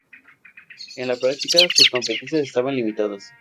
En la práctica, sus competencias estaban limitadas.